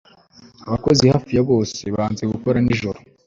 abakozi hafi ya bose banze gukora nijoro